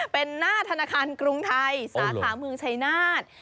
เป็นหน้าธนาคารกรุงไทยสาขาเมืองชัยนาธ